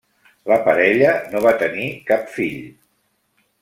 La parella no va tenir cap fill.